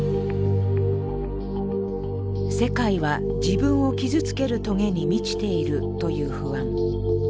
「世界は自分を傷つける棘に満ちている」という不安。